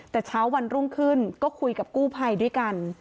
แต่เช้าวันรุ่งขึ้นก็คุยกับกู้ภัยด้วยกัน